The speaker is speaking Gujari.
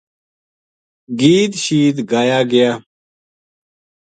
گید شید گایا گیا